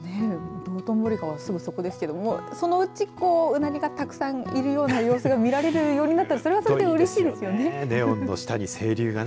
道頓堀川、すぐ、そこですけどそのうち、うなぎがたくさんいるような様子が見られるようになったらそれはそれでうれしいですよね。